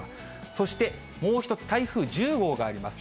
そしてもう１つ、台風１０号があります。